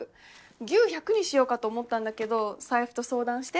牛１００にしようかと思ったんだけど財布と相談して？